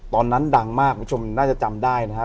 ตอนนั้นดังมากคุณชมน่าจะจำได้นะฮะ